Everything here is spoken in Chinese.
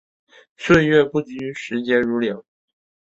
岁月不居，时节如流。